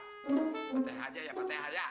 patek aja ya patek aja